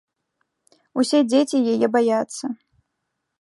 Усе дзеці яе баяцца.